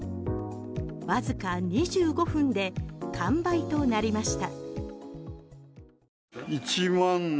わずか２５分で完売となりました。